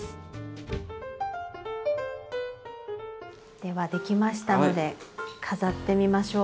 では出来ましたので飾ってみましょう。